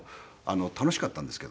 楽しかったんですけどね。